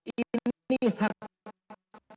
ini harus kami tertentu